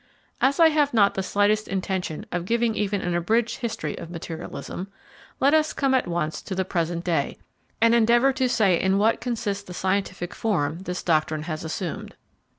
As I have not the slightest intention of giving even an abridged history of materialism, let us come at once to the present day, and endeavour to say in what consists the scientific form this doctrine has assumed.